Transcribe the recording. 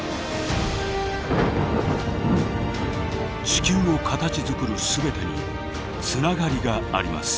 地球を形づくる全てにつながりがあります。